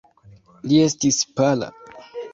Li estis pala.